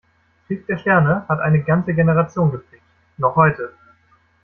"Krieg der Sterne" hat eine ganze Generation geprägt. Noch heute.